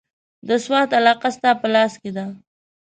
د سوات علاقه ستا په لاس کې ده.